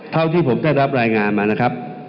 เท่าที่ผมได้รับรายงานมานะครับ